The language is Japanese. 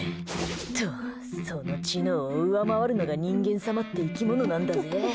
っと、その知能を上回るのが人間様って生き物なんだぜ。